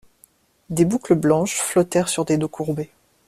Des boucles blanches flottèrent sur des dos courbés.